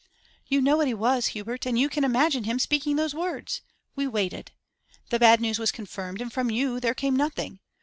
You know what he was, Hubert, and you can imagine him speaking those words. We waited. The bad news was confirmed, and from you there came nothing.